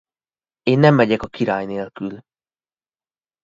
Én nem megyek a Király nélkül.